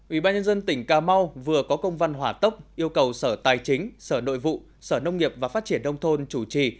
ủy ban nhân dân tỉnh cà mau vừa có công văn hỏa tốc yêu cầu sở tài chính sở nội vụ sở nông nghiệp và phát triển đông thôn chủ trì